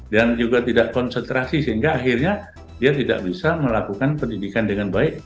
dan juga tidak konsentrasi sehingga akhirnya dia tidak bisa melakukan pendidikan dengan baik